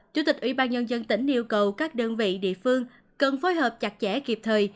chủ tịch ủy ban nhân dân tỉnh yêu cầu các đơn vị địa phương cần phối hợp chặt chẽ kịp thời